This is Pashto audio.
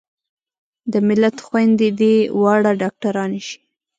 د ملت خويندې دې واړه ډاکترانې شي